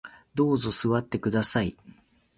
どうぞ座ってください